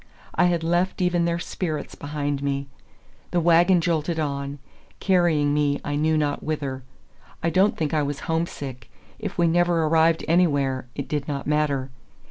I had left even their spirits behind me. The wagon jolted on, carrying me I knew not whither. I don't think I was homesick. If we never arrived anywhere, it did not matter.